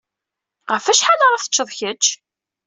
Ɣef wacḥal ara teččeḍ kečč?